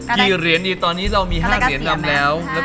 กี่เหรียญดีตอนนี้เรามี๕เหรียญดำแล้ว